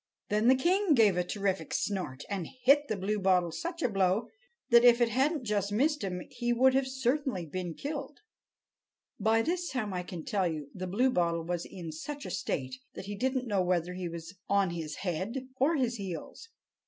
Then the king gave a terrific snort and hit the Bluebottle such a blow that if it hadn't just missed him he would certainly have been killed. By this time, I can tell you, the Bluebottle was in such a state that he didn't know whether he was on his head or his heels.